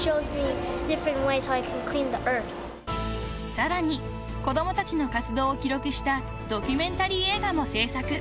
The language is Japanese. ［さらに子供たちの活動を記録したドキュメンタリー映画も制作］